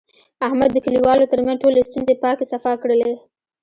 احمد د کلیوالو ترمنځ ټولې ستونزې پاکې صفا کړلې.